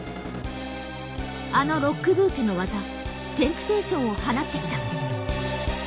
あのロックブーケの技「テンプテーション」を放ってきた！